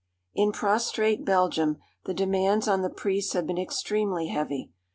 In prostrate Belgium the demands on the priests have been extremely heavy.